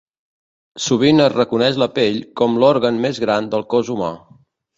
Sovint es reconeix la pell com l'òrgan més gran del cos humà.